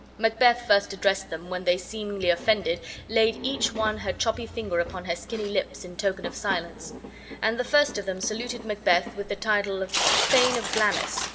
Macbeth first addressed them, when they, seemingly offended, laid each one her choppy finger upon her skinny lips, in token of silence; and the first of them saluted Macbeth with the title of Thane of Glamis.